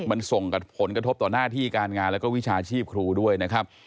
มันส่งผลกระทบต่อหน้าที่การงานแล้วก็วิชาชีพครูด้วยนะครับ